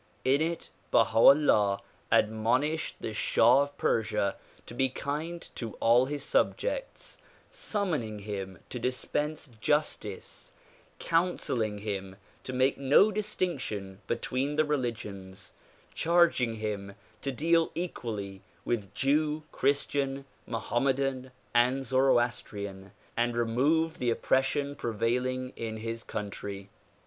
In it Baha 'Ullah admonished the shah of Persia to be kind to all his subjects, summoning him to dispense justice, counselling him to make no distinction between the religions, charging him to deal equally with Jew, Christian, Mohammedan and Zoroastrian and remove the oppression prevailing in his country.